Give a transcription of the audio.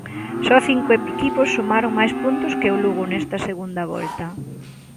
Só cinco equipos sumaron máis puntos que o Lugo nesta segunda volta.